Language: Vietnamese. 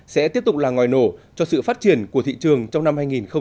sẽ tiếp tục là ngoài nổ cho sự phát triển của thị trường trong năm hai nghìn một mươi tám